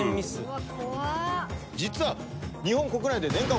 実は日本国内で年間。